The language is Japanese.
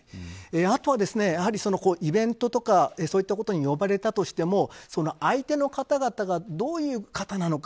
あとはイベントに呼ばれたとしても相手の方々がどういう方なのか。